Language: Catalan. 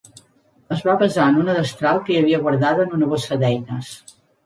Es va basar en una destral que hi havia guardada en una bossa d'eines.